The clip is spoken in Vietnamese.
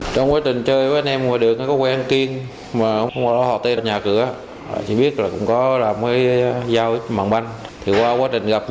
trong quá trình chơi với anh em mùa đường anh có quen